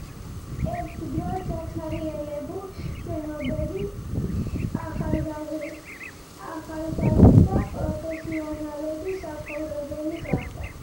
ერთ დროს დაცარიელებული შენობები ახლა ახალგაზრდა პროფესიონალების საცხოვრებელი გახდა.